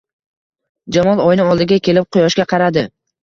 Jamol oyna oldiga kelib quyoshga qaradi